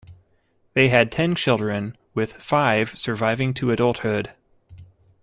They had ten children, with five surviving to adulthood.